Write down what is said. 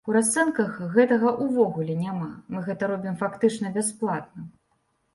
У расцэнках гэтага ўвогуле няма, мы гэта робім фактычна бясплатна.